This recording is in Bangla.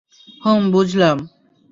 হুম, বুঝলাম।